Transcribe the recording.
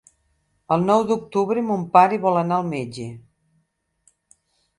El nou d'octubre mon pare vol anar al metge.